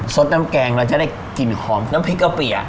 สดน้ำแกงเราจะได้กลิ่นหอมน้ำพริกกะเปียะ